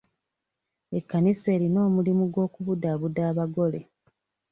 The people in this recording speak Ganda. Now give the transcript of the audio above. Ekkanisa erina omulimu gw'okubudaabuda abagole.